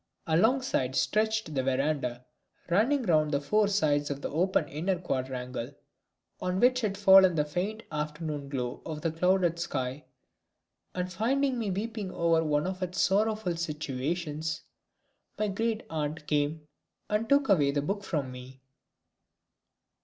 Alongside stretched the verandah running round the four sides of the open inner quadrangle, on which had fallen the faint afternoon glow of the clouded sky, and finding me weeping over one of its sorrowful situations my great aunt came and took away the book from me.